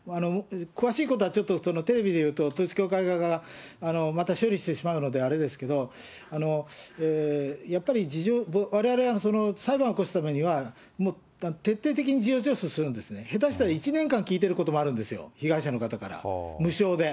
詳しいことはちょっとテレビで言うと統一教会側がまた処理してしまうのであれですけど、やっぱりわれわれは裁判起こすためには、もう徹底的に事情聴取するんですね、下手したら１年間聞いてることもあるんですよ、被害者の方から、無償で。